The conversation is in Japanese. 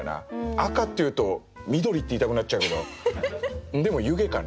赤っていうと緑って言いたくなっちゃうけどでも「湯気」かな。